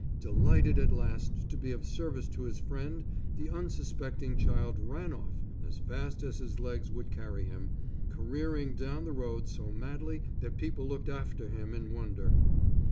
Delighted at last to be of service to his friend, the unsuspecting child ran off as fast as his legs would carry him, careering down the road so madly that people looked after him in wonder.